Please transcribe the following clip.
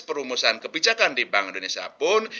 perumusan kebijakan di bank indonesia pun